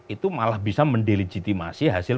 itu malah bisa mendelegitimasi hasil